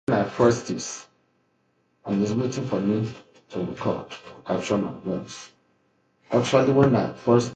It's often used as a companion plant for its insect-repelling properties.